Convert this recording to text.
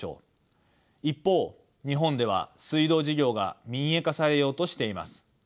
一方日本では水道事業が民営化されようとしています。